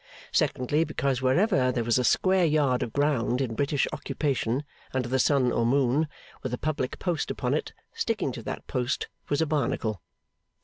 Secondly, because wherever there was a square yard of ground in British occupation under the sun or moon, with a public post upon it, sticking to that post was a Barnacle.